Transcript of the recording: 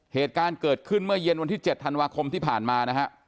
เหตุการณ์เกิดขึ้นเมื่อเย็นวันที่๗ธันวาคมที่ผ่านมานะฮะ